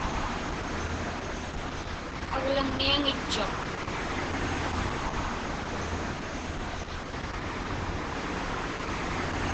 Aglaŋniaŋitchuq.